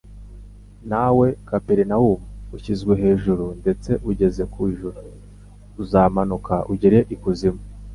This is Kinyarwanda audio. Nawe Kaperinaumu ushyizwe hejuru ndetse ugeze ku ijuru? Uzamanuka ugere ikuzimu."